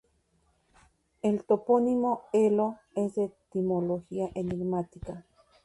El topónimo Elo es de etimología enigmática.